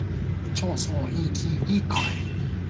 重則引頸一快